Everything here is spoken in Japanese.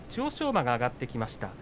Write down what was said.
馬が上がってきました。